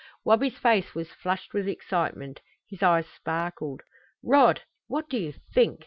Wabi's face was flushed with excitement. His eyes sparkled. "Rod, what do you think!"